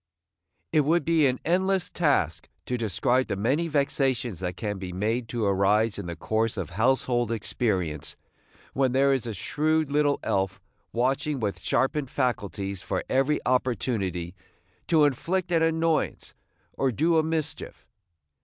It would be an endless task to describe the many vexations that can be made to arise in the course of household experience when there is a shrewd little elf watching with sharpened faculties for every opportunity to inflict an annoyance or do a mischief.